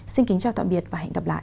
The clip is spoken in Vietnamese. xin kính chào tạm biệt và hẹn gặp lại